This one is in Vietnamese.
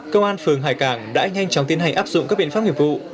công an phường hải cảng đã nhanh chóng tiến hành áp dụng các biện pháp nghiệp vụ